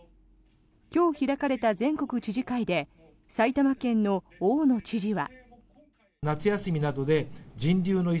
今日開かれた全国知事会で埼玉県の大野知事は。